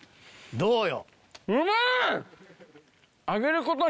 どうよ？